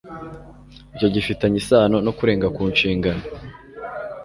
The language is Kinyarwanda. icyo gifitanye isano no kurenga ku nshingano